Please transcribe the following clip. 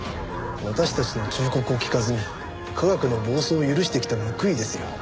私たちの忠告を聞かずに科学の暴走を許してきた報いですよ。